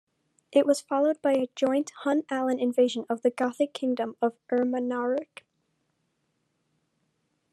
It was followed by a joint Hun-Alan invasion of the Gothic kingdom of Ermanaric.